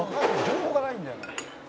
情報がないんだよね」